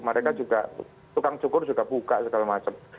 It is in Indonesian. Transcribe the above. mereka juga tukang cukur juga buka segala macam